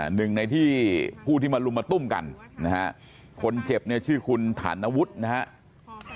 หนึ่งในที่ผู้ที่มาลุมมาตุ้มกันนะฮะคนเจ็บเนี่ยชื่อคุณฐานวุฒินะครับ